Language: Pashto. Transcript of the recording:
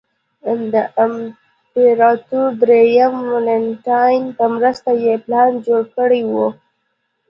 د امپراتور درېیم والنټیناین په مرسته یې پلان جوړ کړی و